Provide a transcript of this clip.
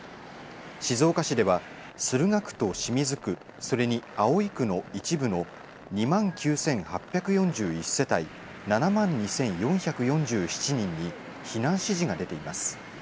静岡市では駿河区と清水区、それに葵区の一部の２万９８４１世帯７万２４４７人に避難指示が出ています。